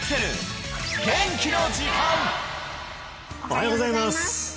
おはようございます